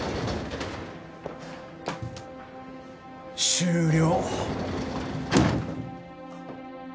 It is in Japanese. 終了。